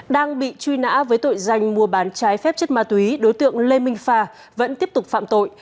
đang bị truy nã với tội danh mua bán trái phép chất ma túy đối tượng lê minh phà vẫn tiếp tục phạm tội